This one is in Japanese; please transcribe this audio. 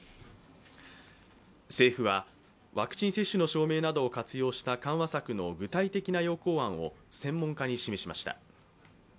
政府はワクチン接種の証明などを活用した緩和策の具体的な要綱案を専門家に示しました。